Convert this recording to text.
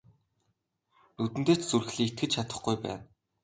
Нүдэндээ ч зүрхлэн итгэж чадахгүй байна.